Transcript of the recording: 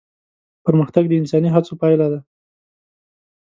پرمختګ د انساني هڅو پايله ده.